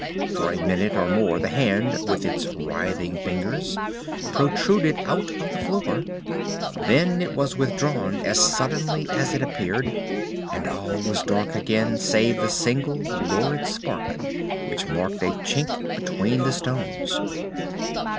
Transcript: For a minute or more the hand, with its writhing fingers, protruded out of the floor. Then it was withdrawn as suddenly as it appeared, and all was dark again save the single lurid spark which marked a chink between the stones.